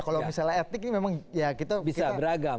kalau misalnya etnik ini memang ya kita bisa beragam